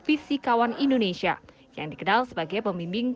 fisikawan indonesia yang dikenal sebagai pemimbing